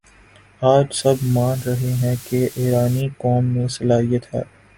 آج سب مان رہے ہیں کہ ایرانی قوم میں صلاحیت ہے